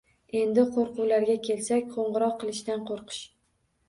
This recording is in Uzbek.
Endi qoʻrquvlarga kelsak, qoʻngʻiroq qilishdan qoʻrqish.